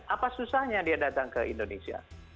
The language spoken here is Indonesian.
apa susahnya dia datang ke indonesia